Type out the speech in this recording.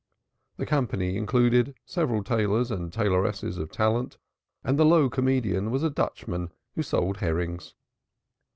The company included several tailors and tailoresses of talent, and the low comedian was a Dutchman who sold herrings.